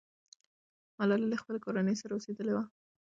ملالۍ له خپلې کورنۍ سره اوسېدلې وه.